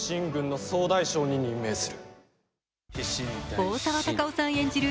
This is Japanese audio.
大沢たかおさん演じる